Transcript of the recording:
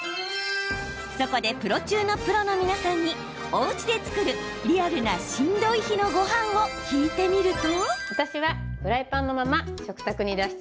そこで、プロ中のプロの皆さんにおうちで作るリアルなしんどい日のごはんを聞いてみると。